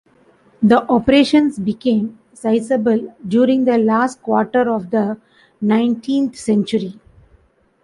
The operations became sizeable during the last quarter of the nineteenth century.